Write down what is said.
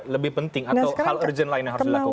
lebih penting atau hal urgent lain yang harus dilakukan